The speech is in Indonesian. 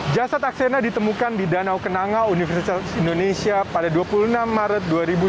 jasad aksena ditemukan di danau kenanga universitas indonesia pada dua puluh enam maret dua ribu lima belas